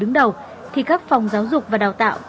đứng đầu thì các phòng giáo dục và đào tạo